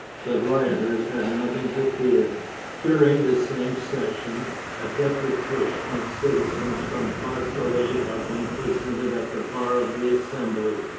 The rioters had nothing to fear. During the same session, a deputation of citizens from Marseilles had been presented at the bar of the Assembly.